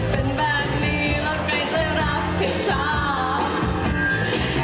เป็นแบบนี้แล้วใครจะรับผิดชอบ